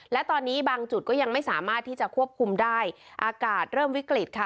และตอนนี้บางจุดก็ยังไม่สามารถที่จะควบคุมได้อากาศเริ่มวิกฤตค่ะ